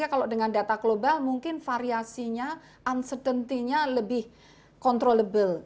jadi kalau dengan data global mungkin variasinya uncertainty nya lebih controllable